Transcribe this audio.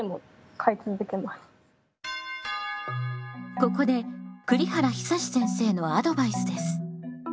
ここで栗原久先生のアドバイスです。